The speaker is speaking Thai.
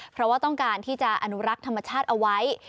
เพราะว่าต้องการที่จะอนุรักษ์ธรรมชาติเอาไว้